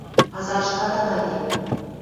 Пазарышкат ана ке —